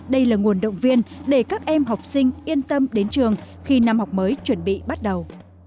đây là nguồn động viên để các em học sinh yên tâm đến trường khi năm học mới chuẩn bị bắt đầu